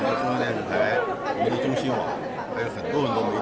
beberapa orang di tiongkok sudah tahu karena kita di tiongkok media